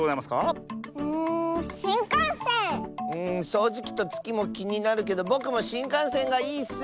そうじきとつきもきになるけどぼくもしんかんせんがいいッス！